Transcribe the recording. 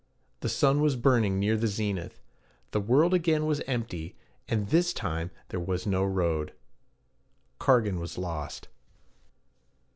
The sun was burning near the zenith. The world again was empty, and this time there was no road. Cargan was lost.